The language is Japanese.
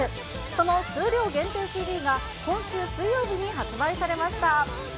その数量限定ＣＤが、今週水曜日に発売されました。